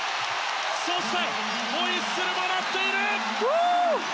そしてホイッスルも鳴っている！